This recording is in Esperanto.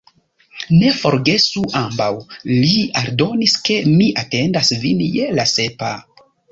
Ne forgesu ambaŭ, li aldonis, ke mi atendas vin je la sepa.